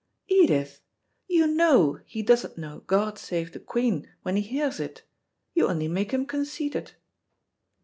"Edith, you know he doesn't know 'God save the Queen' when he hears it. You'll only make him conceited."